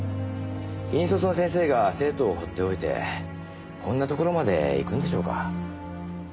引率の先生が生徒を放っておいてこんなところまで行くんでしょうか？